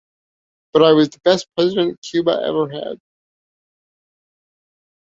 But I was the best president Cuba ever had.